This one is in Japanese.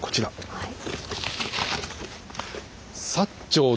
はい。